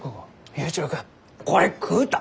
佑一郎君これ食うた？